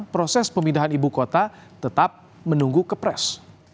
proses pemindahan ibu kota tetap menunggu kepres